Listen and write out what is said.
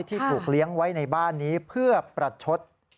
ที่ถูกเลี้ยงไว้ในบ้านนี้เพื่อประชด